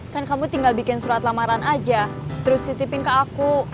kan kamu tinggal bikin surat lamaran aja terus titipin ke aku